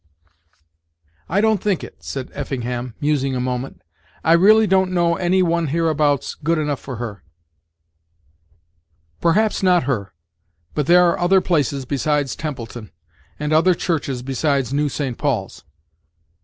"I don't think it," said Effingham, musing a moment, "really don't know any one hereabouts good enough for her." "Perhaps not her; but there are other places besides Templeton, and other churches besides 'New St. Paul's.'"